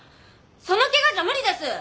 そのケガじゃ無理です！